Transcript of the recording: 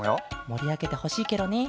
もりあげてほしいケロね。